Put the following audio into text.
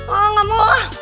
oh gak mau ah